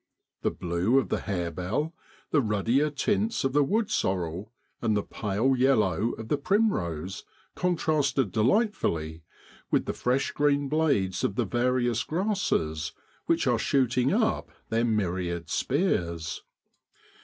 The blue of the harebell, the ruddier tints of the wood sorrel, and the pale yellow of the primrose contrasted delightfully with the fresh green blades of the various grasses which are shooting up their myriad spears.